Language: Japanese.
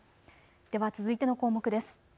では続いての項目です。